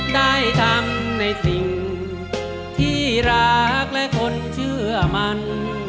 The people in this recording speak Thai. ได้ทำในสิ่งที่รักและคนเชื่อมัน